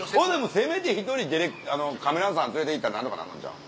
せめて１人カメラさん連れて行ったら何とかなんのんちゃう？